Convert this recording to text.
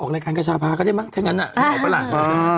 ออกรายการกระชาพาก็ได้มั้งฉะนั้นน่ะออกไปหลัง